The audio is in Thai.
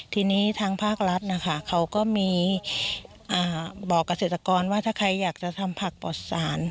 ทีนี้ทางภาครัฐนะคะเขาก็มีบอกเกษตรกรว่าถ้าใครอยากจะทำผักปลอดสาร